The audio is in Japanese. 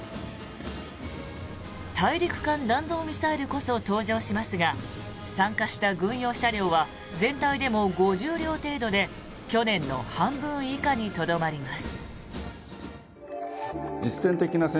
大陸間弾道ミサイルこそ登場しますが参加した軍用車両は全体でも５０両程度で去年の半分以下にとどまります。